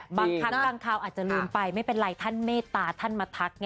บางครั้งบางคราวอาจจะลืมไปไม่เป็นไรท่านเมตตาท่านมาทัก